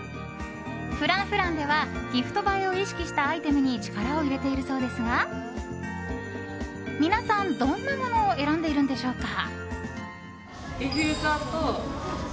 Ｆｒａｎｃｆｒａｎｃではギフト映えを意識したアイテムに力を入れているそうですが皆さん、どんなものを選んでいるのでしょうか。